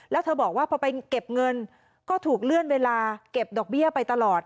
แล้วเธอบอกว่าพอไปเก็บเงินก็ถูกเลื่อนเวลาเก็บดอกเบี้ยไปตลอด